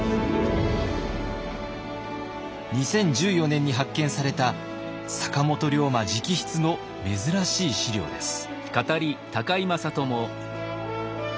２０１４年に発見された坂本龍馬直筆の珍しい史料です。